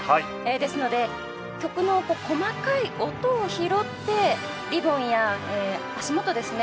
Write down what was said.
ですので曲の細かい音を拾ってリボンや足元ですね